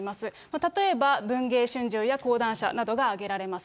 例えば文藝春秋や講談社などが挙げられます。